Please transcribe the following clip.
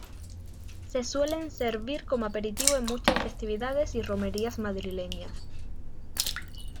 Se suelen servir como aperitivo en muchas festividades y romerías madrileñas.